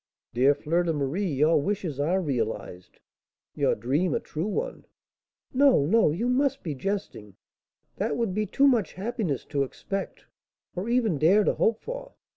'" "Dear Fleur de Marie, your wishes are realised, your dream a true one." "No, no, you must be jesting; that would be too much happiness to expect, or even dare to hope for."